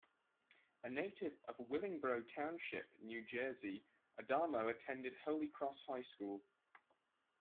A native of Willingboro Township, New Jersey, Adamo attended Holy Cross High School.